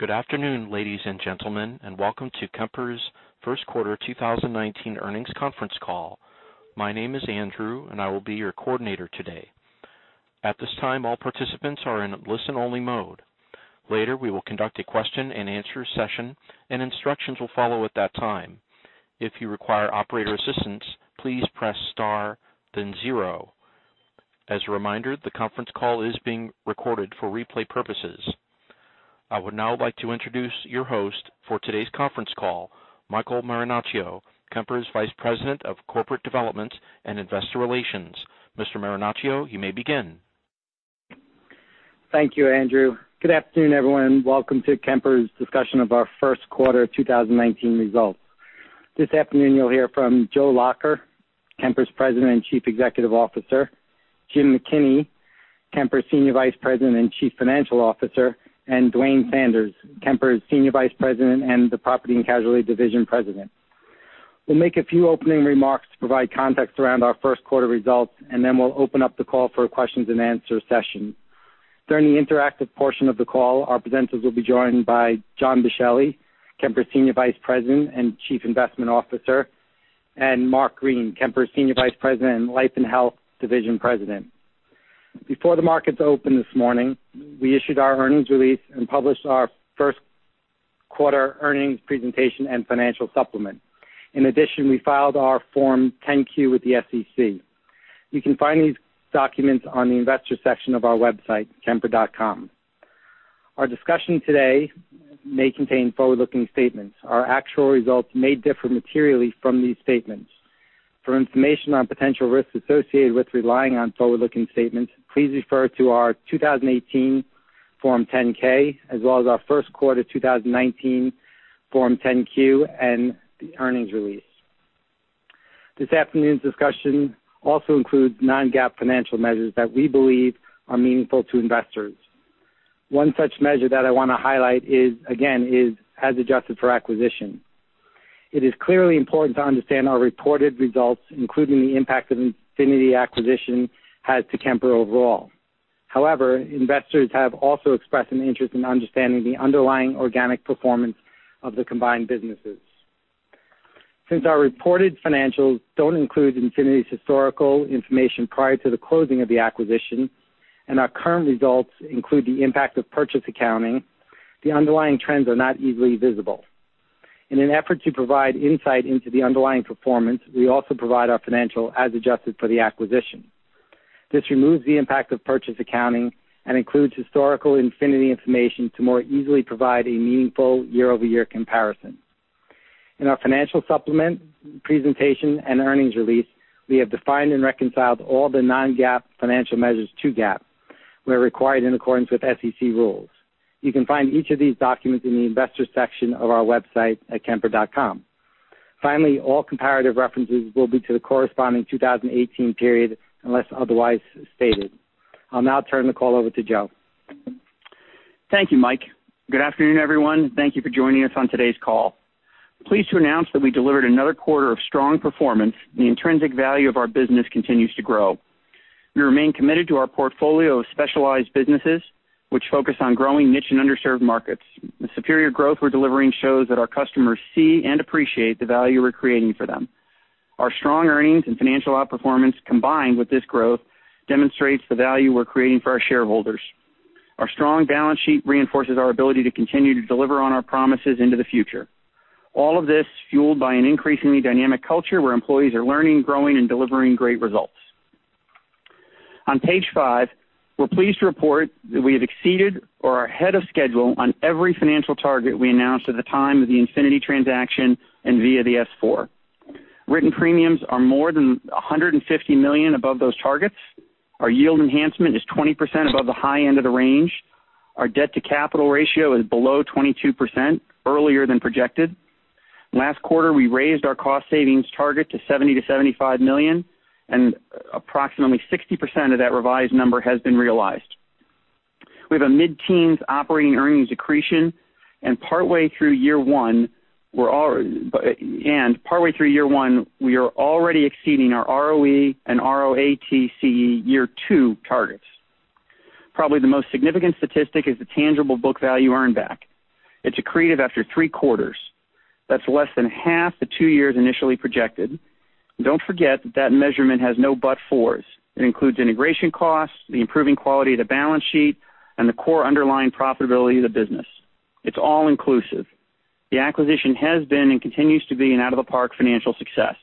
Good afternoon, ladies and gentlemen, and welcome to Kemper's first quarter 2019 earnings conference call. My name is Andrew, and I will be your coordinator today. At this time, all participants are in listen-only mode. Later, we will conduct a question and answer session, and instructions will follow at that time. If you require operator assistance, please press star, then zero. As a reminder, the conference call is being recorded for replay purposes. I would now like to introduce your host for today's conference call, Michael Marinaccio, Kemper's Vice President of Corporate Development and Investor Relations. Mr. Marinaccio, you may begin. Thank you, Andrew. Good afternoon, everyone. Welcome to Kemper's discussion of our first quarter 2019 results. This afternoon, you'll hear from Joe Lacher, Kemper's President and Chief Executive Officer, Jim McKinney, Kemper's Senior Vice President and Chief Financial Officer, and Duane Sanders, Kemper's Senior Vice President and the Property & Casualty Division President. We'll make a few opening remarks to provide context around our first quarter results. Then we'll open up the call for a questions and answer session. During the interactive portion of the call, our presenters will be joined by John Boschelli, Kemper's Senior Vice President and Chief Investment Officer, and Mark Green, Kemper's Senior Vice President and Life & Health Division President. Before the markets opened this morning, we issued our earnings release and published our first quarter earnings presentation and financial supplement. We filed our Form 10-Q with the SEC. You can find these documents on the investor section of our website, kemper.com. Our discussion today may contain forward-looking statements. Our actual results may differ materially from these statements. For information on potential risks associated with relying on forward-looking statements, please refer to our 2018 Form 10-K as well as our first quarter 2019 Form 10-Q and the earnings release. This afternoon's discussion also includes non-GAAP financial measures that we believe are meaningful to investors. One such measure that I want to highlight, again, is as adjusted for acquisition. It is clearly important to understand our reported results, including the impact of Infinity acquisition has to Kemper overall. Investors have also expressed an interest in understanding the underlying organic performance of the combined businesses. Since our reported financials don't include Infinity's historical information prior to the closing of the acquisition, our current results include the impact of purchase accounting, the underlying trends are not easily visible. In an effort to provide insight into the underlying performance, we also provide our financial as adjusted for the acquisition. This removes the impact of purchase accounting and includes historical Infinity information to more easily provide a meaningful year-over-year comparison. In our financial supplement presentation and earnings release, we have defined and reconciled all the non-GAAP financial measures to GAAP, where required in accordance with SEC rules. You can find each of these documents in the investor section of our website at kemper.com. All comparative references will be to the corresponding 2018 period, unless otherwise stated. I'll now turn the call over to Joe. Thank you, Mike. Good afternoon, everyone. Thank you for joining us on today's call. Pleased to announce that we delivered another quarter of strong performance. The intrinsic value of our business continues to grow. We remain committed to our portfolio of specialized businesses, which focus on growing niche and underserved markets. The superior growth we're delivering shows that our customers see and appreciate the value we're creating for them. Our strong earnings and financial outperformance, combined with this growth, demonstrates the value we're creating for our shareholders. Our strong balance sheet reinforces our ability to continue to deliver on our promises into the future. All of this fueled by an increasingly dynamic culture where employees are learning, growing, and delivering great results. On Page five, we're pleased to report that we have exceeded or are ahead of schedule on every financial target we announced at the time of the Infinity transaction and via the S4. Written premiums are more than $150 million above those targets. Our yield enhancement is 20% above the high end of the range. Our debt-to-capital ratio is below 22%, earlier than projected. Last quarter, we raised our cost savings target to $70 million-$75 million, and approximately 60% of that revised number has been realized. We have a mid-teens operating earnings accretion, and partway through year one, we are already exceeding our ROE and ROATCE year two targets. Probably the most significant statistic is the tangible book value earn back. It's accreted after three quarters. That's less than half the two years initially projected. Don't forget that that measurement has no but fours. It includes integration costs, the improving quality of the balance sheet, and the core underlying profitability of the business. It's all-inclusive. The acquisition has been, and continues to be, an out of the park financial success.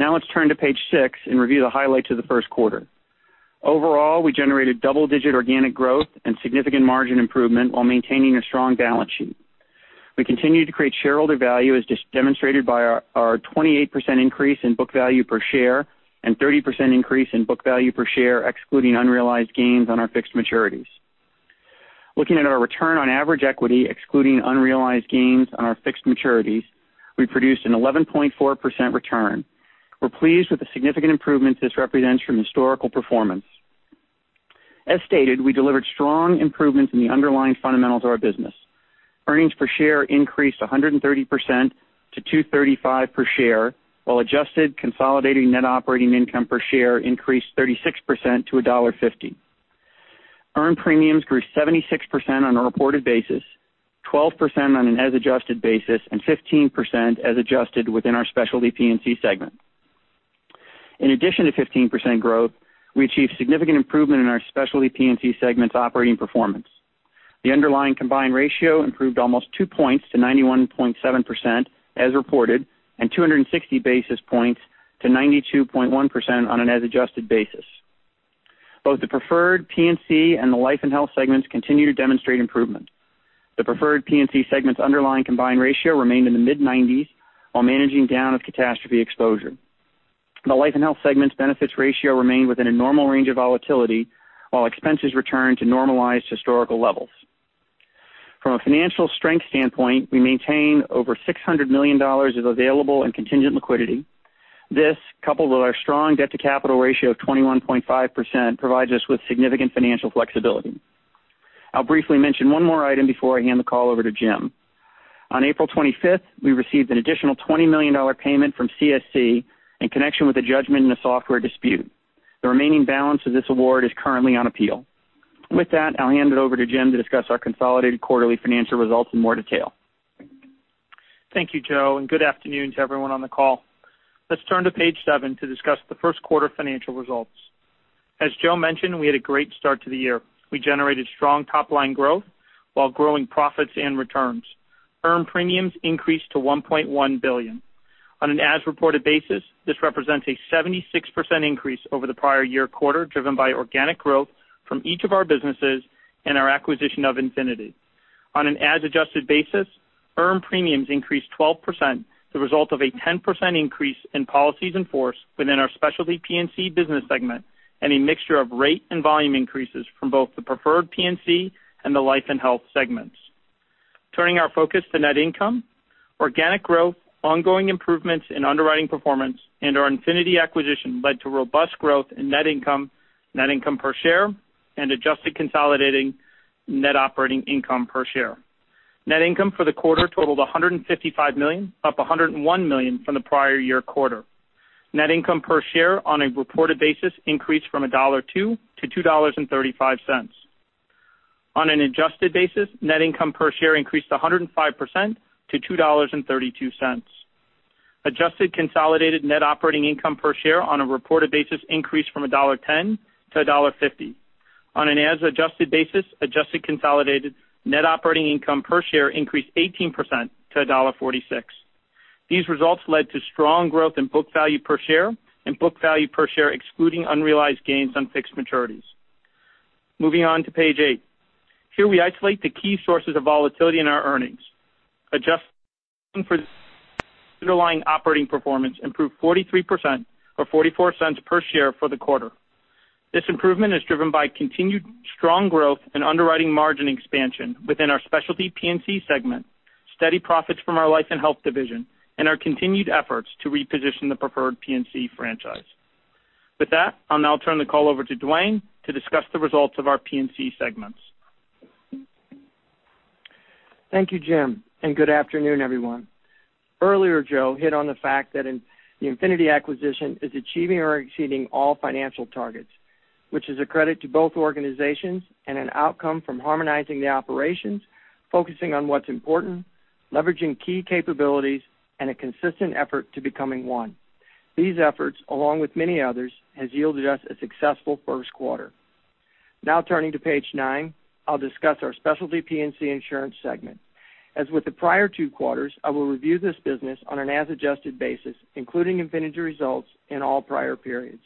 Now let's turn to Page six and review the highlights of the first quarter. Overall, we generated double-digit organic growth and significant margin improvement while maintaining a strong balance sheet. We continue to create shareholder value, as demonstrated by our 28% increase in book value per share and 30% increase in book value per share, excluding unrealized gains on our fixed maturities. Looking at our return on average equity, excluding unrealized gains on our fixed maturities, we produced an 11.4% return. We're pleased with the significant improvements this represents from historical performance. As stated, we delivered strong improvements in the underlying fundamentals of our business. Earnings per share increased 130% to $2.35 per share, while adjusted consolidating net operating income per share increased 36% to $1.50. Earned premiums grew 76% on a reported basis, 12% on an as-adjusted basis, and 15% as adjusted within our Specialty P&C segment. In addition to 15% growth, we achieved significant improvement in our Specialty P&C segment's operating performance. The underlying combined ratio improved almost two points to 91.7% as reported, and 260 basis points to 92.1% on an as-adjusted basis. Both the Preferred P&C and the Life and Health segments continue to demonstrate improvement. The Preferred P&C segment's underlying combined ratio remained in the mid-90s while managing down of catastrophe exposure. The Life and Health segment's benefits ratio remained within a normal range of volatility, while expenses returned to normalized historical levels. From a financial strength standpoint, we maintain over $600 million of available and contingent liquidity. This, coupled with our strong debt-to-capital ratio of 21.5%, provides us with significant financial flexibility. I'll briefly mention one more item before I hand the call over to Jim. On April 25th, we received an additional $20 million payment from CSC in connection with a judgment in a software dispute. The remaining balance of this award is currently on appeal. With that, I'll hand it over to Jim to discuss our consolidated quarterly financial results in more detail. Thank you, Joe, and good afternoon to everyone on the call. Let's turn to page seven to discuss the first quarter financial results. As Joe mentioned, we had a great start to the year. We generated strong top-line growth while growing profits and returns. Earned premiums increased to $1.1 billion. On an as-reported basis, this represents a 76% increase over the prior year quarter, driven by organic growth from each of our businesses and our acquisition of Infinity. On an as-adjusted basis, earned premiums increased 12%, the result of a 10% increase in policies in force within our specialty P&C business segment and a mixture of rate and volume increases from both the preferred P&C and the life and health segments. Turning our focus to net income. Organic growth, ongoing improvements in underwriting performance, and our Infinity acquisition led to robust growth in net income, net income per share, and adjusted consolidating net operating income per share. Net income for the quarter totaled $155 million, up $101 million from the prior year quarter. Net income per share on a reported basis increased from $1.02 to $2.35. On an adjusted basis, net income per share increased 105% to $2.32. Adjusted consolidated net operating income per share on a reported basis increased from $1.10 to $1.50. On an as-adjusted basis, adjusted consolidated net operating income per share increased 18% to $1.46. These results led to strong growth in book value per share and book value per share excluding unrealized gains on fixed maturities. Moving on to page eight. Here we isolate the key sources of volatility in our earnings. Adjusting for underlying operating performance improved 43% or $0.44 per share for the quarter. This improvement is driven by continued strong growth and underwriting margin expansion within our specialty P&C segment, steady profits from our life and health division, and our continued efforts to reposition the preferred P&C franchise. With that, I'll now turn the call over to Dwayne to discuss the results of our P&C segments. Thank you, Jim. Good afternoon, everyone. Earlier, Joe hit on the fact that the Infinity acquisition is achieving or exceeding all financial targets, which is a credit to both organizations and an outcome from harmonizing the operations, focusing on what's important, leveraging key capabilities, and a consistent effort to becoming one. These efforts, along with many others, has yielded us a successful first quarter. Turning to page nine, I'll discuss our specialty P&C insurance segment. As with the prior two quarters, I will review this business on an as-adjusted basis, including Infinity results in all prior periods.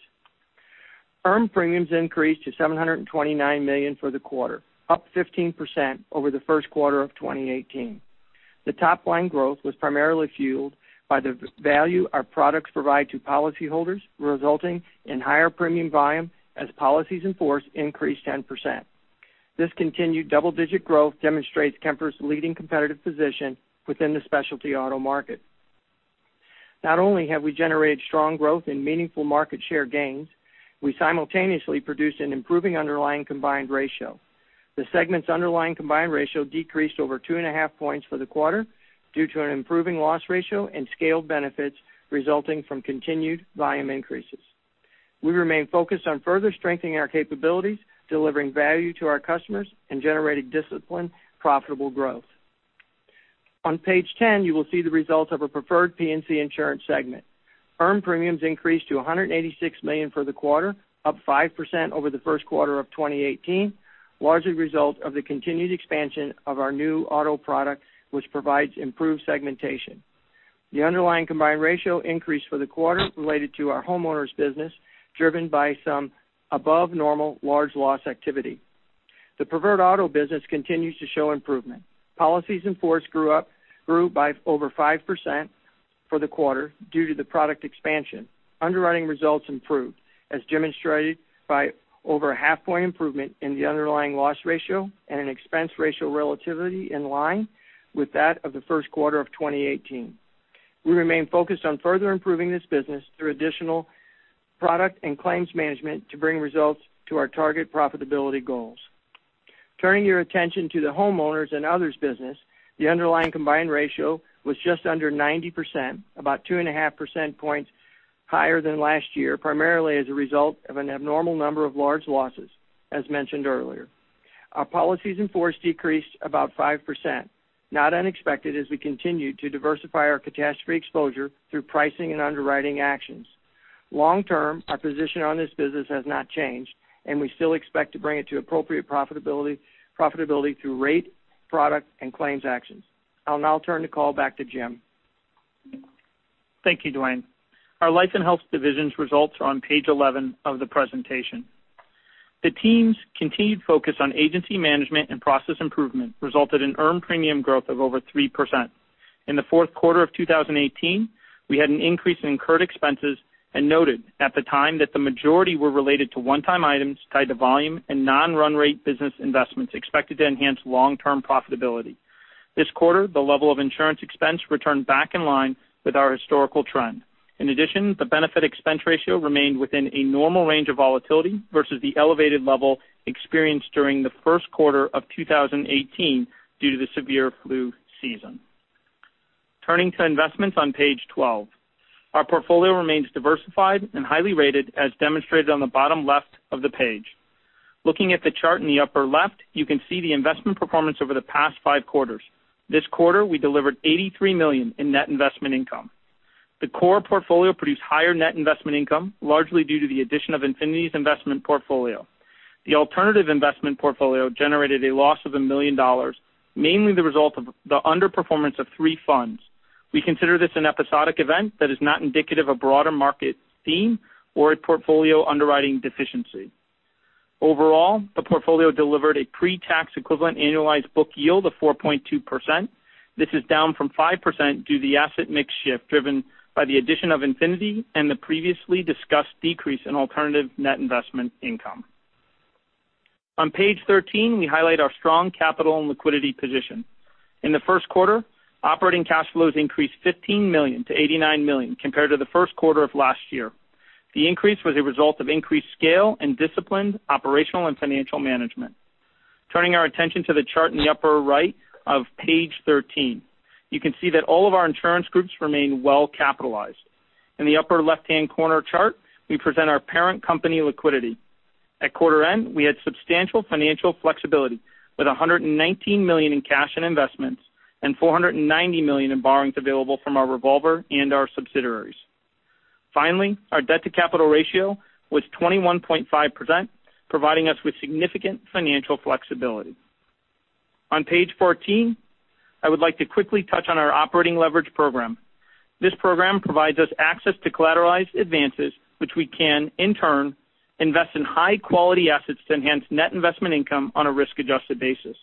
Earned premiums increased to $729 million for the quarter, up 15% over the first quarter of 2018. The top-line growth was primarily fueled by the value our products provide to policyholders, resulting in higher premium volume as policies in force increased 10%. This continued double-digit growth demonstrates Kemper's leading competitive position within the specialty auto market. Not only have we generated strong growth and meaningful market share gains, we simultaneously produced an improving underlying combined ratio. The segment's underlying combined ratio decreased over two and a half points for the quarter due to an improving loss ratio and scaled benefits resulting from continued volume increases. We remain focused on further strengthening our capabilities, delivering value to our customers, and generating disciplined, profitable growth. On page 10, you will see the results of our preferred P&C insurance segment. Earned premiums increased to $186 million for the quarter, up 5% over the first quarter of 2018, largely a result of the continued expansion of our new auto product, which provides improved segmentation. The underlying combined ratio increased for the quarter related to our homeowners business, driven by some above normal large loss activity. The preferred auto business continues to show improvement. Policies in force grew by over 5% for the quarter due to the product expansion. Underwriting results improved, as demonstrated by over a half-point improvement in the underlying loss ratio and an expense ratio relativity in line with that of the first quarter of 2018. We remain focused on further improving this business through additional product and claims management to bring results to our target profitability goals. Turning your attention to the homeowners and others business, the underlying combined ratio was just under 90%, about 2.5% points higher than last year, primarily as a result of an abnormal number of large losses, as mentioned earlier. Our policies in force decreased about 5%, not unexpected as we continue to diversify our catastrophe exposure through pricing and underwriting actions. Long-term, our position on this business has not changed, and we still expect to bring it to appropriate profitability through rate, product, and claims actions. I'll turn the call back to Jim. Thank you, Duane. Our Life and Health Divisions results are on page 11 of the presentation. The team's continued focus on agency management and process improvement resulted in earned premium growth of over 3%. In the fourth quarter of 2018, we had an increase in incurred expenses and noted at the time that the majority were related to one-time items tied to volume and non-run rate business investments expected to enhance long-term profitability. This quarter, the level of insurance expense returned back in line with our historical trend. In addition, the benefit expense ratio remained within a normal range of volatility versus the elevated level experienced during the first quarter of 2018 due to the severe flu season. Turning to investments on page 12. Our portfolio remains diversified and highly rated as demonstrated on the bottom left of the page. Looking at the chart in the upper left, you can see the investment performance over the past five quarters. This quarter, we delivered $83 million in net investment income. The core portfolio produced higher net investment income, largely due to the addition of Infinity's investment portfolio. The alternative investment portfolio generated a loss of $1 million, mainly the result of the underperformance of three funds. We consider this an episodic event that is not indicative of broader market theme or a portfolio underwriting deficiency. Overall, the portfolio delivered a pre-tax equivalent annualized book yield of 4.2%. This is down from 5% due to the asset mix shift driven by the addition of Infinity and the previously discussed decrease in alternative net investment income. On page 13, we highlight our strong capital and liquidity position. In the first quarter, operating cash flows increased $15 million to $89 million compared to the first quarter of last year. The increase was a result of increased scale and disciplined operational and financial management. Turning our attention to the chart in the upper right of page 13. You can see that all of our insurance groups remain well-capitalized. In the upper left-hand corner chart, we present our parent company liquidity. At quarter end, we had substantial financial flexibility with $119 million in cash and investments and $490 million in borrowings available from our revolver and our subsidiaries. Finally, our debt-to-capital ratio was 21.5%, providing us with significant financial flexibility. On page 14, I would like to quickly touch on our operating leverage program. This program provides us access to collateralized advances, which we can, in turn, invest in high-quality assets to enhance net investment income on a risk-adjusted basis.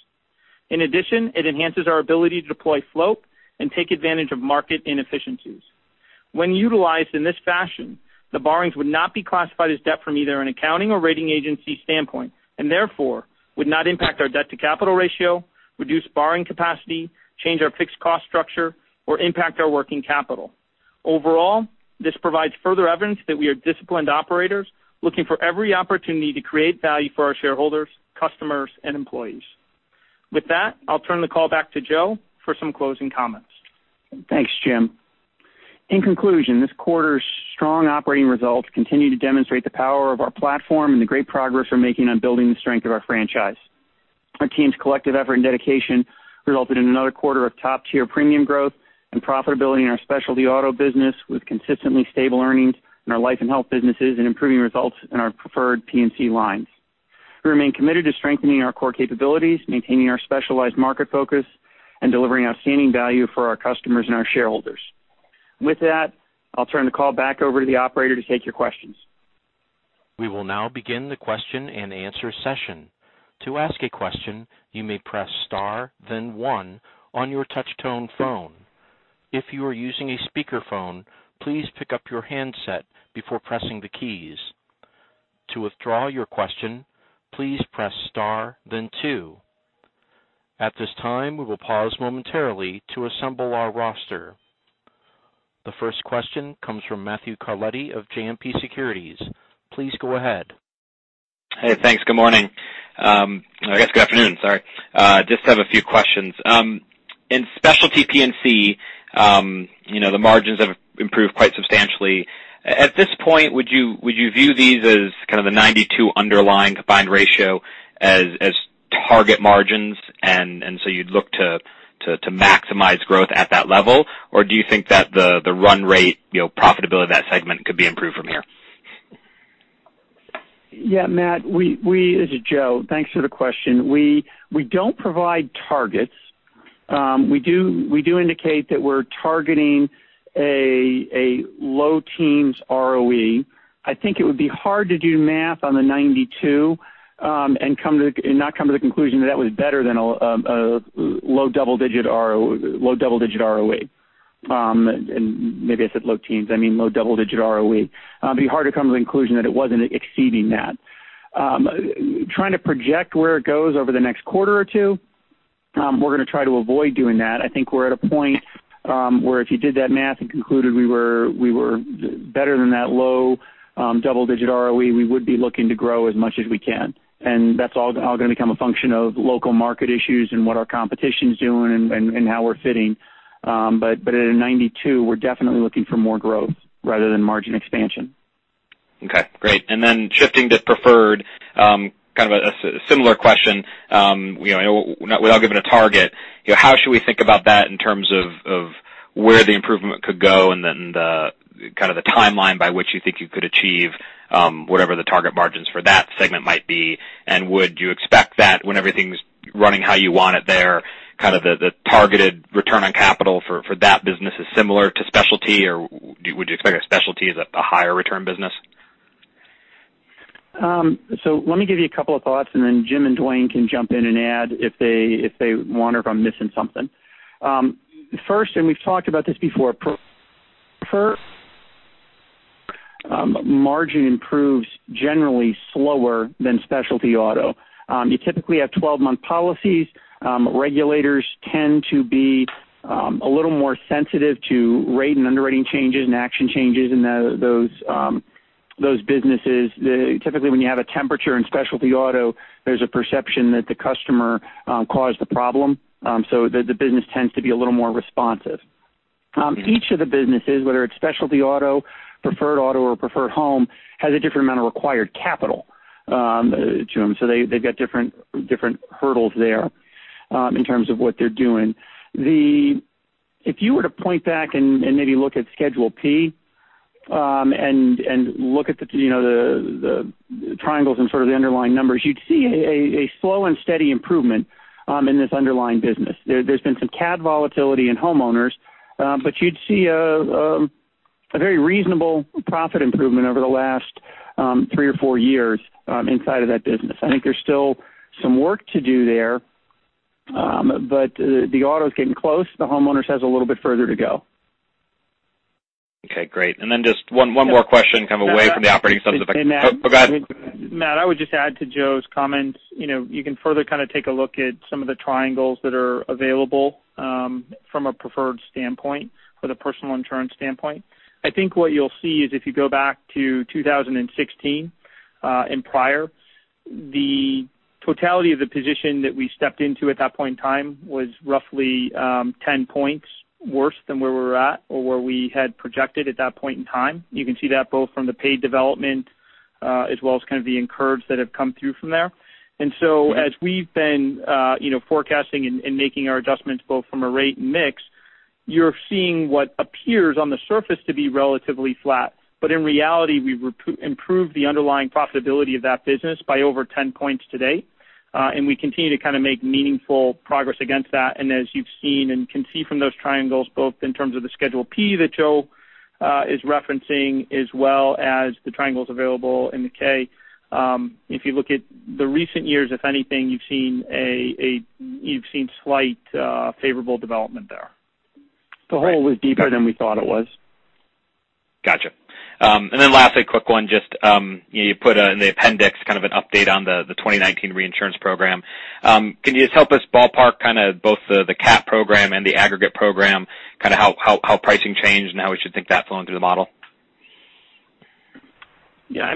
In addition, it enhances our ability to deploy float and take advantage of market inefficiencies. When utilized in this fashion, the borrowings would not be classified as debt from either an accounting or rating agency standpoint, and therefore, would not impact our debt-to-capital ratio, reduce borrowing capacity, change our fixed cost structure, or impact our working capital. Overall, this provides further evidence that we are disciplined operators looking for every opportunity to create value for our shareholders, customers, and employees. With that, I'll turn the call back to Joe for some closing comments. Thanks, Jim. In conclusion, this quarter's strong operating results continue to demonstrate the power of our platform and the great progress we're making on building the strength of our franchise. Our team's collective effort and dedication resulted in another quarter of top-tier premium growth and profitability in our specialty auto business, with consistently stable earnings in our life and health businesses and improving results in our preferred P&C lines. We remain committed to strengthening our core capabilities, maintaining our specialized market focus, and delivering outstanding value for our customers and our shareholders. With that, I'll turn the call back over to the operator to take your questions. We will now begin the question-and-answer session. To ask a question, you may press star then one on your touch-tone phone. If you are using a speakerphone, please pick up your handset before pressing the keys. To withdraw your question, please press star then two. At this time, we will pause momentarily to assemble our roster. The first question comes from Matthew Carletti of JMP Securities. Please go ahead. Hey, thanks. Good morning. I guess good afternoon, sorry. Just have a few questions. In specialty P&C, the margins have improved quite substantially. At this point, would you view these as kind of the 92 underlying combined ratio as target margins, you'd look to maximize growth at that level? Or do you think that the run rate profitability of that segment could be improved from here? Yeah, Matt. This is Joe. Thanks for the question. We don't provide targets. We do indicate that we're targeting a low teens ROE. I think it would be hard to do math on the 92, not come to the conclusion that that was better than a low double-digit ROE. Maybe I said low teens, I mean low double-digit ROE. It'd be hard to come to the conclusion that it wasn't exceeding that. Trying to project where it goes over the next quarter or two. We're going to try to avoid doing that. I think we're at a point where if you did that math and concluded we were better than that low double-digit ROE, we would be looking to grow as much as we can. That's all going to become a function of local market issues and what our competition's doing and how we're fitting. At a 92%, we're definitely looking for more growth rather than margin expansion. Okay, great. Shifting to Preferred, kind of a similar question. Without giving a target, how should we think about that in terms of where the improvement could go, then the timeline by which you think you could achieve whatever the target margins for that segment might be? Would you expect that when everything's running how you want it there, the targeted return on capital for that business is similar to Specialty, or would you expect a Specialty as a higher return business? Let me give you a couple of thoughts, then Jim and Duane can jump in and add if they want or if I'm missing something. First, we've talked about this before, Preferred margin improves generally slower than Specialty Auto. You typically have 12-month policies. Regulators tend to be a little more sensitive to rate and underwriting changes and action changes in those businesses. Typically, when you have a temper in Specialty Auto, there's a perception that the customer caused the problem, the business tends to be a little more responsive. Each of the businesses, whether it's Specialty Auto, Preferred Auto, or Preferred Home, has a different amount of required capital to them. They've got different hurdles there in terms of what they're doing. If you were to point back and maybe look at Schedule P and look at the triangles and sort of the underlying numbers, you'd see a slow and steady improvement in this underlying business. There's been some CAT volatility in homeowners, you'd see a very reasonable profit improvement over the last three or four years inside of that business. I think there's still some work to do there. The auto's getting close. The homeowners has a little bit further to go. Okay, great. Then just one more question, kind of away from the operating. Matt. Go ahead. Matt, I would just add to Joe's comments. You can further take a look at some of the triangles that are available from a preferred standpoint or the personal insurance standpoint. I think what you'll see is if you go back to 2016 and prior, the totality of the position that we stepped into at that point in time was roughly 10 points worse than where we're at or where we had projected at that point in time. You can see that both from the paid development as well as kind of the incurreds that have come through from there. So as we've been forecasting and making our adjustments both from a rate and mix, you're seeing what appears on the surface to be relatively flat. But in reality, we've improved the underlying profitability of that business by over 10 points to date. We continue to make meaningful progress against that. As you've seen and can see from those triangles, both in terms of the Schedule P that Joe is referencing, as well as the triangles available in the K. If you look at the recent years, if anything, you've seen slight favorable development there. The hole was deeper than we thought it was. Got you. Lastly, a quick one. You put in the appendix kind of an update on the 2019 reinsurance program. Can you just help us ballpark both the CAT program and the aggregate program, kind of how pricing changed and how we should think that's flowing through the model? Yeah.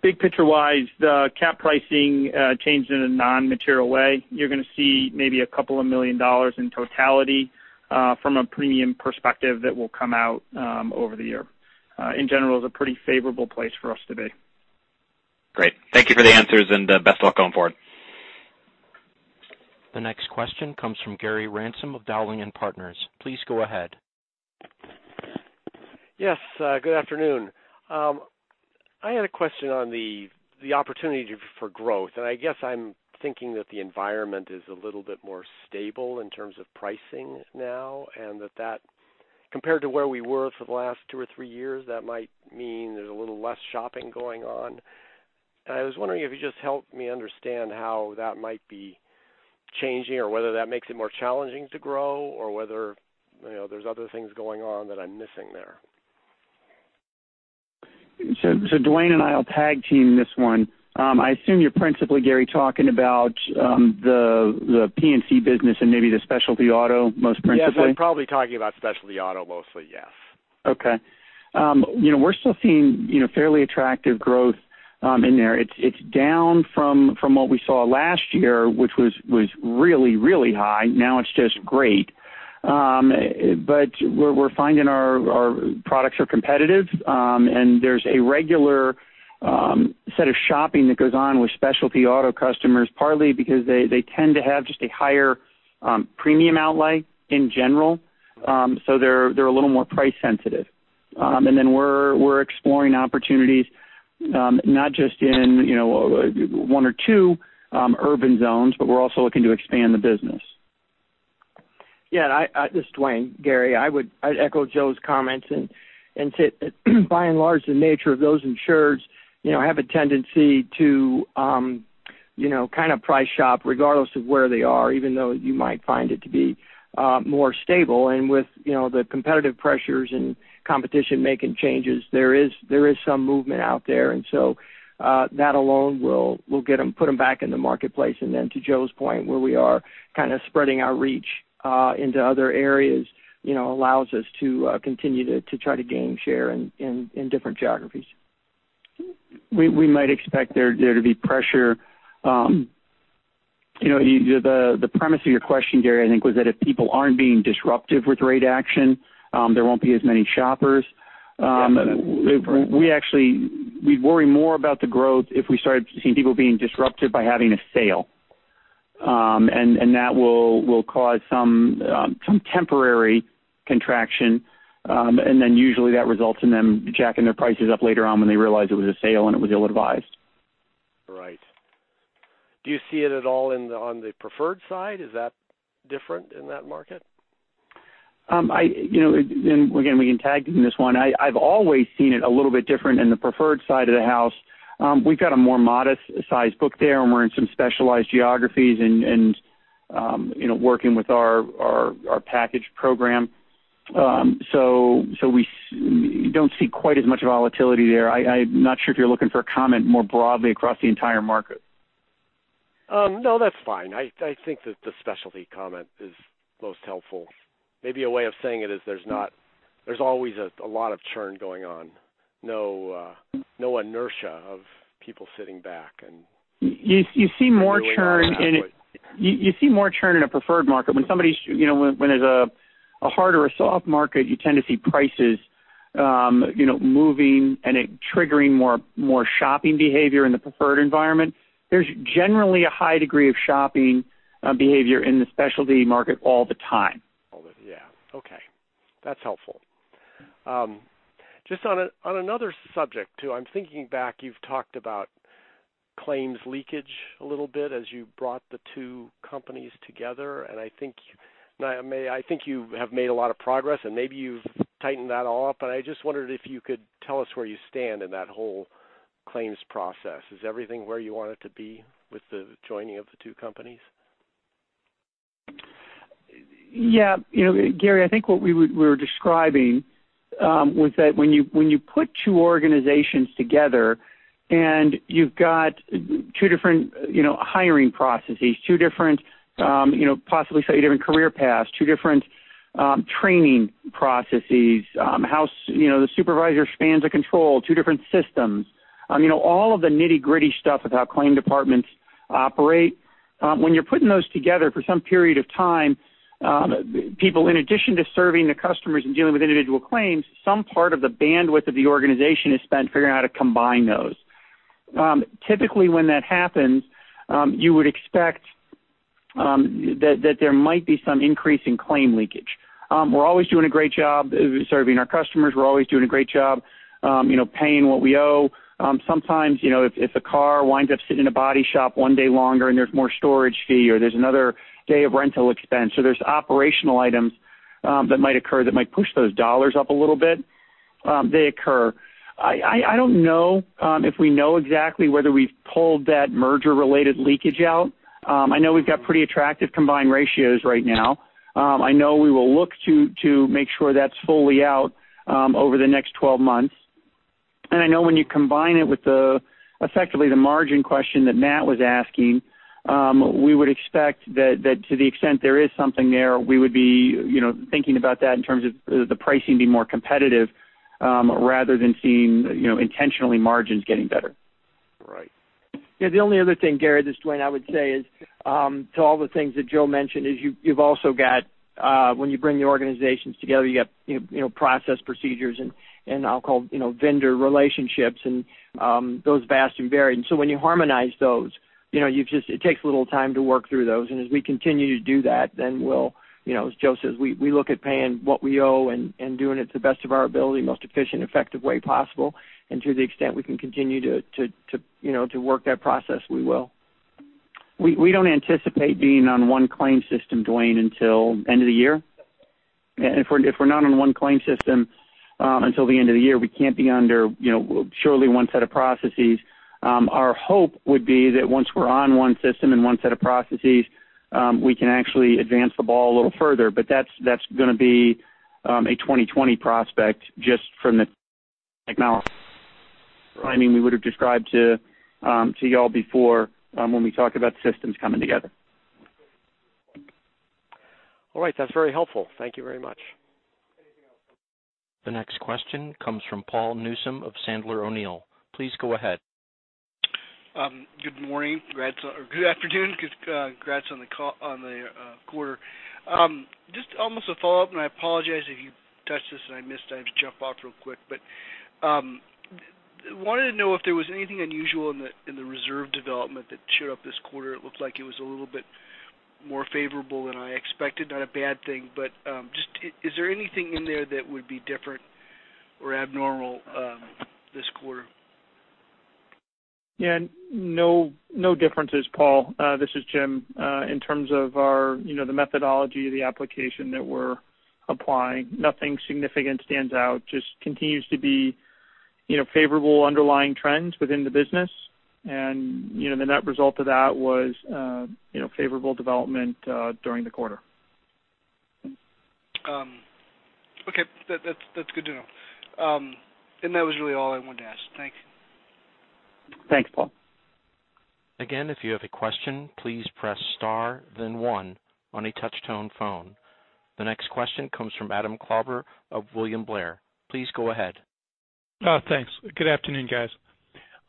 Big picture-wise, the CAT pricing changed in a non-material way. You're going to see maybe a couple of million dollars in totality from a premium perspective that will come out over the year. In general, it's a pretty favorable place for us to be. Great. Thank you for the answers, and best of luck going forward. The next question comes from Gary Ransom of Dowling & Partners. Please go ahead. Yes, good afternoon. I had a question on the opportunity for growth. I guess I'm thinking that the environment is a little bit more stable in terms of pricing now. That compared to where we were for the last two or three years, that might mean there's a little less shopping going on. I was wondering if you'd just help me understand how that might be changing or whether that makes it more challenging to grow or whether there's other things going on that I'm missing there. Duane and I will tag team this one. I assume you're principally, Gary, talking about the P&C business and maybe the specialty auto, most principally. Yes, I'm probably talking about specialty auto mostly, yes. Okay. We're still seeing fairly attractive growth in there. It's down from what we saw last year, which was really high. Now it's just great. We're finding our products are competitive. There's a regular set of shopping that goes on with specialty auto customers, partly because they tend to have just a higher premium outlay in general. They're a little more price sensitive. We're exploring opportunities, not just in one or two urban zones, but we're also looking to expand the business. Yeah. This is Duane. Gary, I'd echo Joe's comments. Say by and large, the nature of those insureds have a tendency to kind of price shop regardless of where they are, even though you might find it to be more stable. With the competitive pressures and competition making changes, there is some movement out there. That alone will put them back in the marketplace. To Joe's point, where we are kind of spreading our reach into other areas allows us to continue to try to gain share in different geographies. We might expect there to be pressure. The premise of your question, Gary, I think, was that if people aren't being disruptive with rate action, there won't be as many shoppers. Yeah. We worry more about the growth if we started seeing people being disrupted by having a sale. That will cause some temporary contraction. Then usually that results in them jacking their prices up later on when they realize it was a sale, and it was ill-advised. Right. Do you see it at all on the preferred side? Is that different in that market? Again, we can tag team this one. I've always seen it a little bit different in the preferred side of the house. We've got a more modest size book there, and we're in some specialized geographies and working with our package program. We don't see quite as much volatility there. I'm not sure if you're looking for a comment more broadly across the entire market. No, that's fine. I think that the specialty comment is most helpful. Maybe a way of saying it is there's always a lot of churn going on. No inertia of people sitting back and- You see more churn in a preferred market. When there's a hard or a soft market, you tend to see prices moving and it triggering more shopping behavior in the preferred environment. There's generally a high degree of shopping behavior in the specialty market all the time. All of it. Yeah. Okay. That's helpful. Just on another subject too, I'm thinking back, you've talked about claims leakage a little bit as you brought the two companies together, and I think you have made a lot of progress, and maybe you've tightened that all up, but I just wondered if you could tell us where you stand in that whole claims process. Is everything where you want it to be with the joining of the two companies? Yeah. Gary, I think what we were describing was that when you put two organizations together and you've got two different hiring processes, two different possibly slightly different career paths, two different training processes, how the supervisor spans a control, two different systems. All of the nitty-gritty stuff of how claim departments operate. When you're putting those together for some period of time, people, in addition to serving the customers and dealing with individual claims, some part of the bandwidth of the organization is spent figuring out how to combine those. Typically, when that happens, you would expect that there might be some increase in claim leakage. We're always doing a great job serving our customers. We're always doing a great job paying what we owe. Sometimes, if a car winds up sitting in a body shop one day longer and there's more storage fee or there's another day of rental expense, there's operational items that might occur that might push those dollars up a little bit. They occur. I don't know if we know exactly whether we've pulled that merger-related leakage out. I know we've got pretty attractive combined ratios right now. I know we will look to make sure that's fully out over the next 12 months. I know when you combine it with effectively the margin question that Matt was asking, we would expect that to the extent there is something there, we would be thinking about that in terms of the pricing being more competitive rather than seeing intentionally margins getting better. Right. The only other thing, Gary, this is Duane, I would say is to all the things that Joe mentioned is you've also got when you bring the organizations together, you got process procedures and I'll call vendor relationships and those vast and varied. When you harmonize those, it takes a little time to work through those. As we continue to do that, as Joe says, we look at paying what we owe and doing it to the best of our ability, most efficient, effective way possible. To the extent we can continue to work that process, we will. We don't anticipate being on one claim system, Duane, until end of the year. If we're not on one claim system until the end of the year, we can't be under surely one set of processes. Our hope would be that once we're on one system and one set of processes, we can actually advance the ball a little further. That's going to be a 2020 prospect just from the technology timing we would have described to you all before when we talked about systems coming together. All right. That's very helpful. Thank you very much. The next question comes from Paul Newsome of Sandler O'Neill. Please go ahead. Good morning. Good afternoon. Congrats on the quarter. Almost a follow-up. I apologize if you touched this and I missed. I have to jump off real quick. Wanted to know if there was anything unusual in the reserve development that showed up this quarter. It looked like it was a little bit more favorable than I expected. Not a bad thing. Is there anything in there that would be different or abnormal this quarter? No differences, Paul. This is Jim. In terms of the methodology, the application that we're applying, nothing significant stands out. Just continues to be Favorable underlying trends within the business. The net result of that was favorable development during the quarter. Okay. That's good to know. That was really all I wanted to ask. Thanks. Thanks, Paul. If you have a question, please press star then one on a touch-tone phone. The next question comes from Adam Klauber of William Blair. Please go ahead. Thanks. Good afternoon, guys.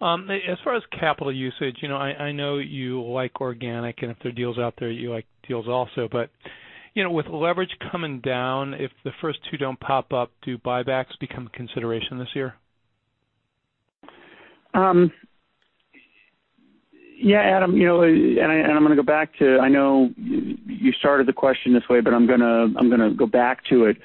As far as capital usage, I know you like organic, and if there are deals out there, you like deals also. With leverage coming down, if the first two don't pop up, do buybacks become a consideration this year? Yeah, Adam. I know you started the question this way. I'm going to go back to it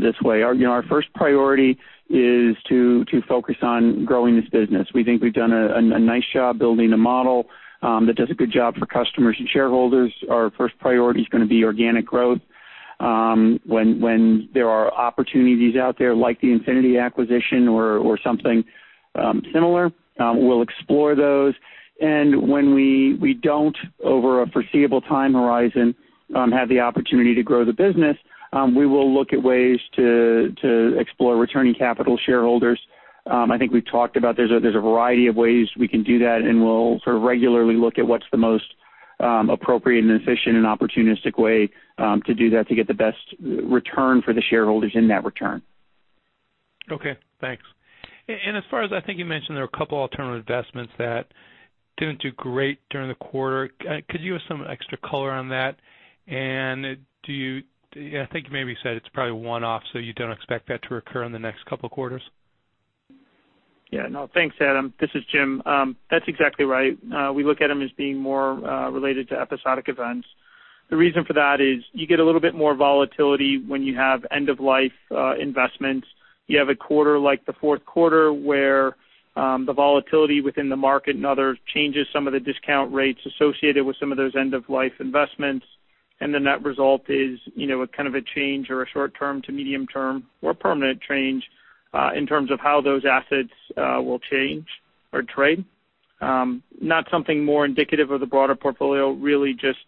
this way. Our first priority is to focus on growing this business. We think we've done a nice job building a model that does a good job for customers and shareholders. Our first priority is going to be organic growth. When there are opportunities out there, like the Infinity acquisition or something similar, we'll explore those. When we don't, over a foreseeable time horizon, have the opportunity to grow the business, we will look at ways to explore returning capital to shareholders. I think we've talked about there's a variety of ways we can do that. We'll sort of regularly look at what's the most appropriate and efficient and opportunistic way to do that to get the best return for the shareholders in that return. Okay, thanks. As far as I think you mentioned, there are a couple alternative investments that didn't do great during the quarter. Could you give us some extra color on that? I think you maybe said it's probably one-off, so you don't expect that to recur in the next couple of quarters. Yeah. No, thanks, Adam. This is Jim. That's exactly right. We look at them as being more related to episodic events. The reason for that is you get a little bit more volatility when you have end-of-life investments. You have a quarter like the fourth quarter, where the volatility within the market and other changes, some of the discount rates associated with some of those end-of-life investments. The net result is kind of a change or a short-term to medium-term or permanent change, in terms of how those assets will change or trade. Not something more indicative of the broader portfolio, really just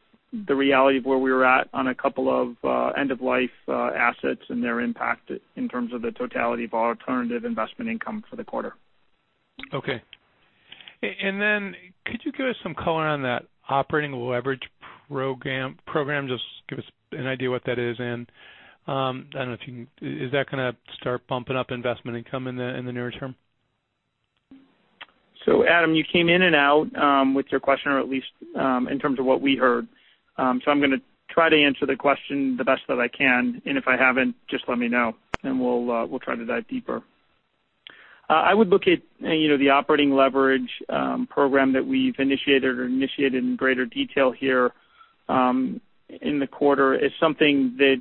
the reality of where we were at on a couple of end-of-life assets and their impact in terms of the totality of our alternative investment income for the quarter. Okay. Could you give us some color on that operating leverage program? Just give us an idea what that is and is that going to start bumping up investment income in the near term? Adam, you came in and out with your question or at least in terms of what we heard. I'm going to try to answer the question the best that I can, and if I haven't, just let me know and we'll try to dive deeper. I would look at the operating leverage program that we've initiated or initiated in greater detail here in the quarter as something that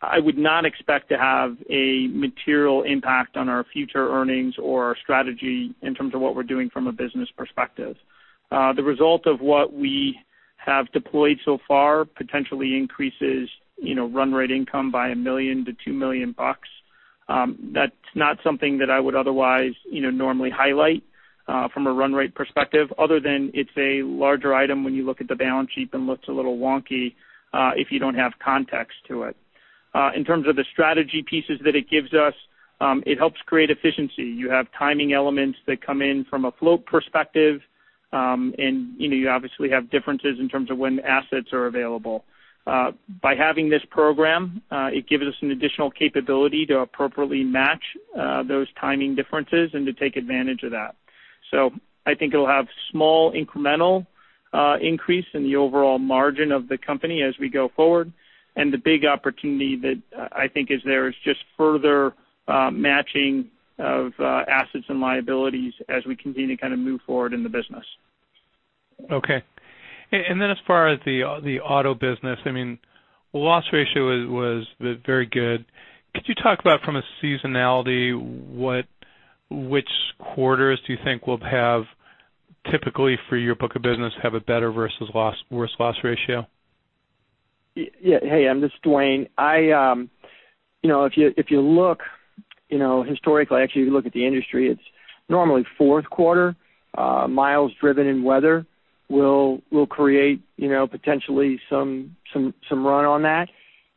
I would not expect to have a material impact on our future earnings or our strategy in terms of what we're doing from a business perspective. The result of what we have deployed so far potentially increases run rate income by $1 million-$2 million. That's not something that I would otherwise normally highlight from a run rate perspective other than it's a larger item when you look at the balance sheet and looks a little wonky if you don't have context to it. In terms of the strategy pieces that it gives us, it helps create efficiency. You have timing elements that come in from a float perspective, and you obviously have differences in terms of when assets are available. By having this program, it gives us an additional capability to appropriately match those timing differences and to take advantage of that. I think it'll have small incremental increase in the overall margin of the company as we go forward, and the big opportunity that I think is there is just further matching of assets and liabilities as we continue to kind of move forward in the business. Okay. Then as far as the auto business, loss ratio was very good. Could you talk about from a seasonality, which quarters do you think will have typically for your book of business, have a better versus worse loss ratio? Yeah. Hey, Adam, this is Duane. If you look historically, actually, if you look at the industry, it's normally fourth quarter. Miles driven in weather will create potentially some run on that.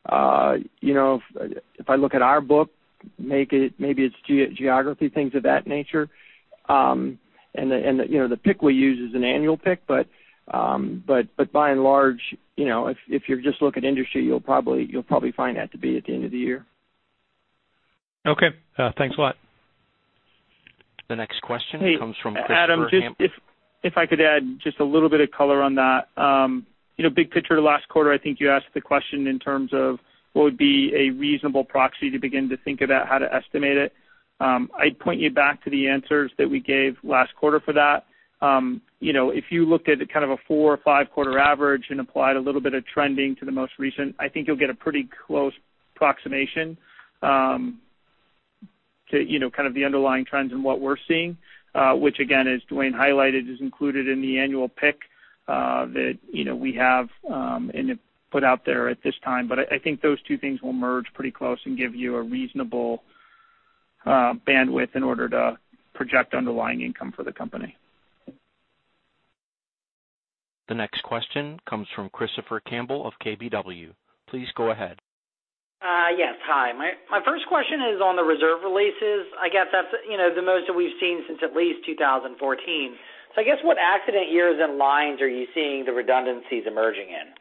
If I look at our book, maybe it's geography, things of that nature. The pick we use is an annual pick, by and large, if you just look at industry, you'll probably find that to be at the end of the year. Okay. Thanks a lot. The next question comes from Chris. Hey, Adam, just if I could add just a little bit of color on that. Big picture last quarter, I think you asked the question in terms of what would be a reasonable proxy to begin to think about how to estimate it. I'd point you back to the answers that we gave last quarter for that. If you looked at kind of a four or five-quarter average and applied a little bit of trending to the most recent, I think you'll get a pretty close approximation to kind of the underlying trends and what we're seeing. Which again, as Duane highlighted, is included in the annual pick -that we have put out there at this time. I think those two things will merge pretty close and give you a reasonable bandwidth in order to project underlying income for the company. The next question comes from Christopher Campbell of KBW. Please go ahead. Yes, hi. My first question is on the reserve releases. I guess that's the most that we've seen since at least 2014. I guess what accident years and lines are you seeing the redundancies emerging in?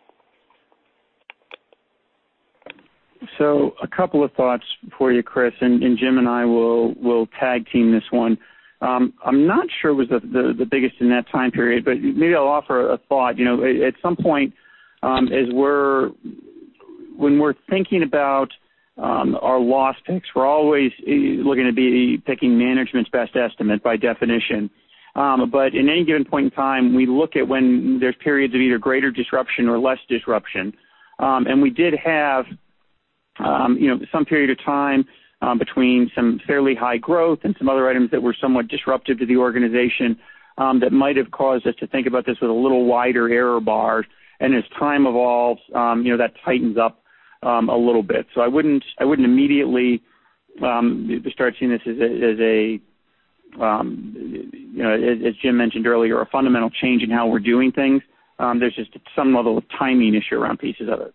A couple of thoughts for you, Chris, and Jim and I will tag team this one. I'm not sure it was the biggest in that time period, but maybe I'll offer a thought. At some point, when we're thinking about our loss picks, we're always looking to be picking management's best estimate by definition. In any given point in time, we look at when there's periods of either greater disruption or less disruption. We did have some period of time between some fairly high growth and some other items that were somewhat disruptive to the organization that might have caused us to think about this with a little wider error bar. As time evolves, that tightens up a little bit. I wouldn't immediately start seeing this as Jim mentioned earlier, a fundamental change in how we're doing things. There's just some level of timing issue around pieces of it.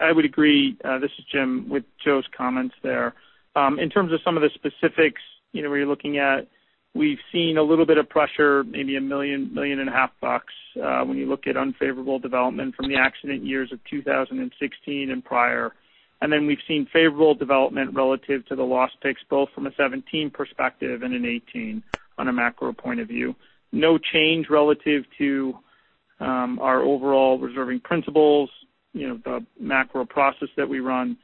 I would agree, this is Jim, with Joe's comments there. In terms of some of the specifics, where you're looking at, we've seen a little bit of pressure, maybe $1 million, $1.5 million, when you look at unfavorable development from the accident years of 2016 and prior. We've seen favorable development relative to the loss picks, both from a 2017 perspective and a 2018 on a macro point of view. No change relative to our overall reserving principles, the macro process that we run,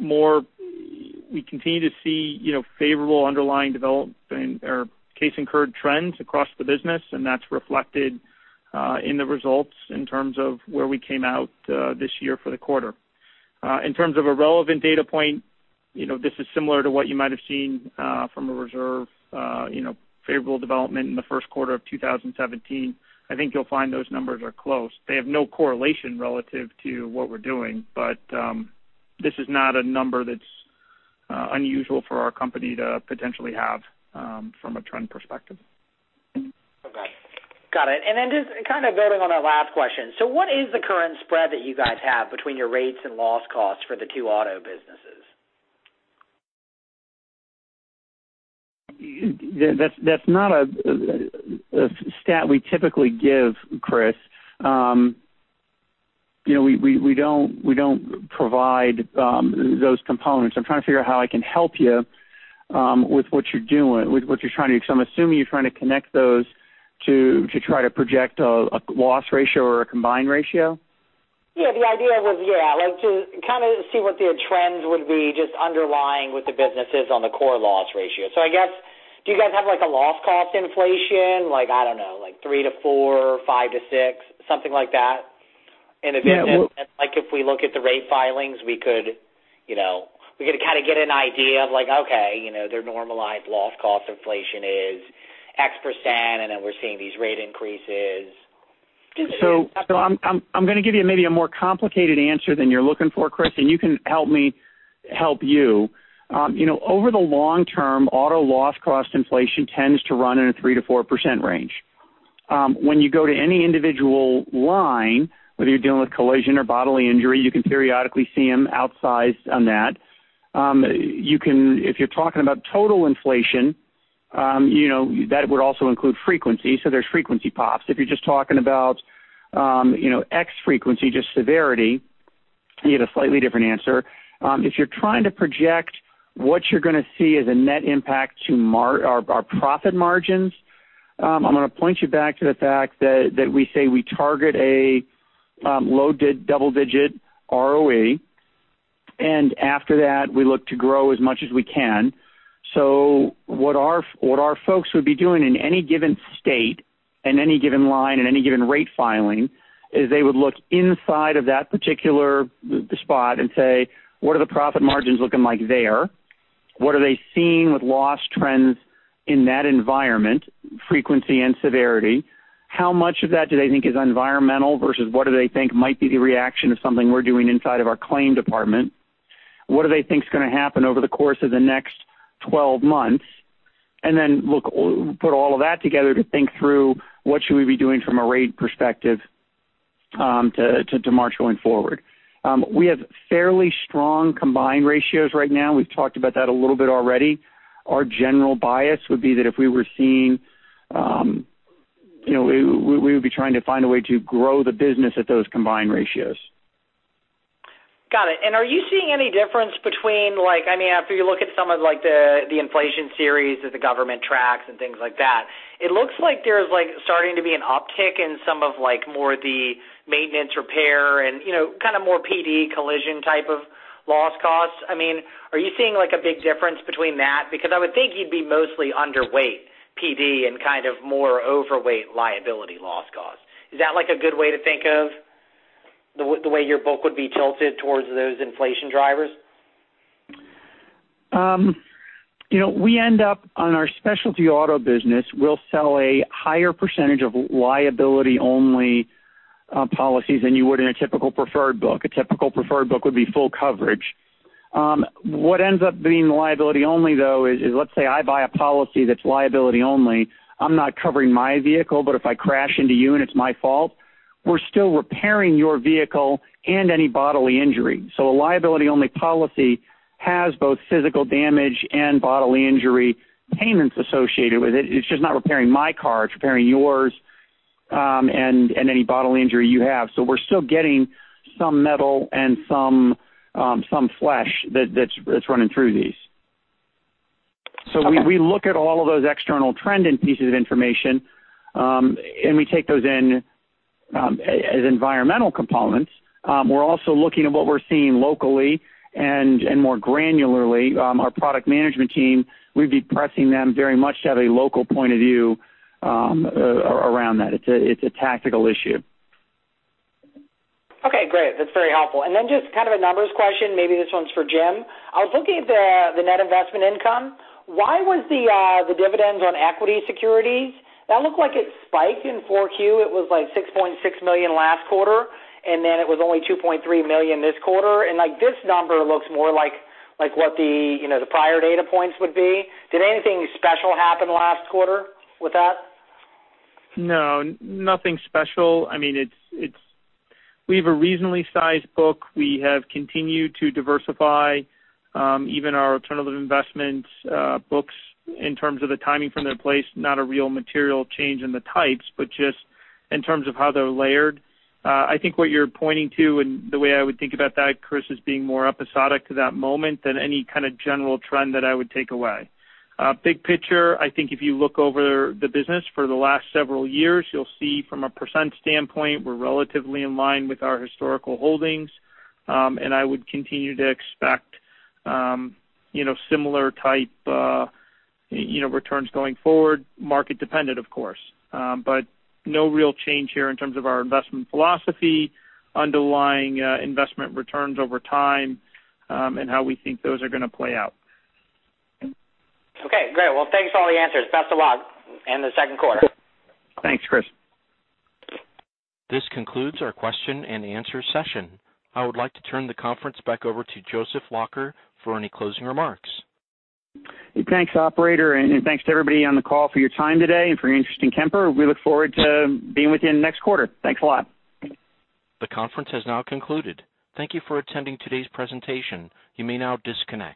we continue to see favorable underlying development or case incurred trends across the business, and that's reflected in the results in terms of where we came out this year for the quarter. In terms of a relevant data point, this is similar to what you might have seen from a reserve favorable development in the first quarter of 2017. I think you'll find those numbers are close. They have no correlation relative to what we're doing. This is not a number that's unusual for our company to potentially have from a trend perspective. Okay. Got it. Just kind of building on that last question. What is the current spread that you guys have between your rates and loss costs for the two auto businesses? That's not a stat we typically give, Chris. We don't provide those components. I'm trying to figure out how I can help you with what you're trying to do, because I'm assuming you're trying to connect those to try to project a loss ratio or a combined ratio. The idea was to kind of see what the trends would be just underlying what the business is on the core loss ratio. I guess, do you guys have like a loss cost inflation, like, I don't know, like three to four, five to six, something like that? Yeah. Like, if we look at the rate filings, we could kind of get an idea of like, okay, their normalized loss cost inflation is X%, we're seeing these rate increases. I'm going to give you maybe a more complicated answer than you're looking for, Chris, and you can help me help you. Over the long term, auto loss cost inflation tends to run in a 3%-4% range. When you go to any individual line, whether you're dealing with collision or bodily injury, you can periodically see them outsized on that. If you're talking about total inflation, that would also include frequency, there's frequency pops. If you're just talking about X frequency, just severity, you get a slightly different answer. If you're trying to project what you're going to see as a net impact to our profit margins, I'm going to point you back to the fact that we say we target a low double-digit ROE, after that, we look to grow as much as we can. What our folks would be doing in any given state, in any given line, in any given rate filing, is they would look inside of that particular spot and say, what are the profit margins looking like there? What are they seeing with loss trends in that environment, frequency and severity? How much of that do they think is environmental versus what do they think might be the reaction of something we're doing inside of our claim department? What do they think is going to happen over the course of the next 12 months? Put all of that together to think through what should we be doing from a rate perspective to March going forward. We have fairly strong combined ratios right now. We've talked about that a little bit already. Our general bias would be that if we were seeing, we would be trying to find a way to grow the business at those combined ratios. Got it. Are you seeing any difference between, after you look at some of the inflation series that the government tracks and things like that, it looks like there's starting to be an uptick in some of more the maintenance, repair, and kind of more PD collision type of loss costs. Are you seeing a big difference between that? I would think you'd be mostly underweight PD and kind of more overweight liability loss cost. Is that a good way to think of the way your book would be tilted towards those inflation drivers? We end up on our specialty auto business, we'll sell a higher percentage of liability-only policies than you would in a typical preferred book. A typical preferred book would be full coverage. What ends up being the liability-only though is, let's say I buy a policy that's liability-only. I'm not covering my vehicle, but if I crash into you and it's my fault, we're still repairing your vehicle and any bodily injury. A liability-only policy has both physical damage and bodily injury payments associated with it. It's just not repairing my car, it's repairing yours, and any bodily injury you have. We're still getting some metal and some flesh that's running through these. Okay. We look at all of those external trending pieces of information. We take those in as environmental components. We're also looking at what we're seeing locally and more granularly. Our product management team, we'd be pressing them very much to have a local point of view around that. It's a tactical issue. Okay, great. That's very helpful. Then just a numbers question, maybe this one's for Jim. I was looking at the net investment income. Why was the dividends on equity securities, that looked like it spiked in Q4. It was like $6.6 million last quarter, then it was only $2.3 million this quarter. This number looks more like what the prior data points would be. Did anything special happen last quarter with that? No, nothing special. We have a reasonably sized book. We have continued to diversify, even our alternative investments books in terms of the timing from their place, not a real material change in the types, but just in terms of how they're layered. I think what you're pointing to and the way I would think about that, Chris, is being more episodic to that moment than any kind of general trend that I would take away. Big picture, I think if you look over the business for the last several years, you'll see from a % standpoint, we're relatively in line with our historical holdings. I would continue to expect similar type returns going forward, market dependent of course. No real change here in terms of our investment philosophy, underlying investment returns over time, and how we think those are going to play out. Okay, great. Thanks for all the answers. Best of luck in the second quarter. Thanks, Chris. This concludes our question and answer session. I would like to turn the conference back over to Joseph Lacher for any closing remarks. Thanks, operator. Thanks to everybody on the call for your time today and for your interest in Kemper. We look forward to being with you next quarter. Thanks a lot. The conference has now concluded. Thank you for attending today's presentation. You may now disconnect.